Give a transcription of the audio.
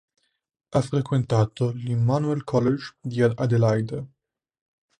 Ha frequentato l'Immanuel College di Adelaide.